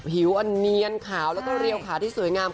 ผิวอันเนียนขาวแล้วก็เรียวขาที่สวยงาม